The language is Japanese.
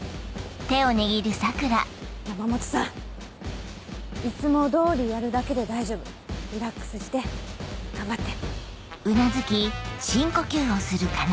山本さんいつも通りやるだけで大丈夫リラックスして頑張って。